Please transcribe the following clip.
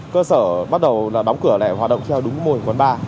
cơ sở bắt đầu đóng cửa lại hoạt động theo đúng mô hình quán bar